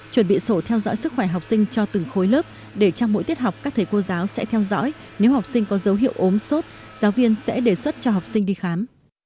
chuẩn bị sổ theo dõi sức khỏe học sinh cho từng khối lớp để trong mỗi tiết học các thầy cô giáo sẽ theo dõi nếu học sinh có dấu hiệu ốm sốt giáo viên sẽ đề xuất cho học sinh đi khám